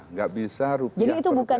nggak bisa rupiah perundang